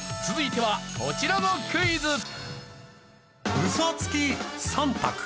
続いてはこちらのクイズ。